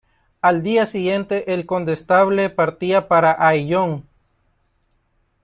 Al día siguiente el condestable partía para Ayllón.